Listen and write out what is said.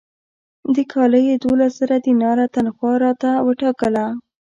د کاله یې دوولس زره دیناره تنخوا راته وټاکله.